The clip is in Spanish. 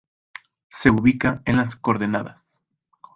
Se ubica en las coordenadas.